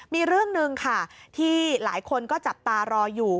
มีเรื่องหนึ่งค่ะที่หลายคนก็จับตารออยู่